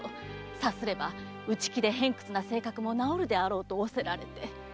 さすれば内気で偏屈な性格も直るであろうと仰せられて。